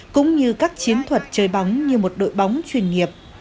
cũng như các chiến thuật chơi bóng như một đội bóng chuyên nghiệp